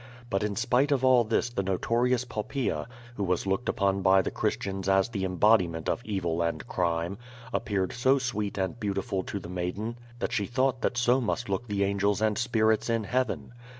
But in spite of all this the notorious Poppaea, who was looked upon by the Christians as the embodiment of evil and crime, appeared so sweet and beautiful to the maiden that she thought that so must look the angels and spirits in heaven.